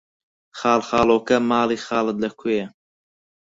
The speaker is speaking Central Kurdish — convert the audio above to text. خاڵخاڵۆکە، ماڵی خاڵت لەکوێیە؟!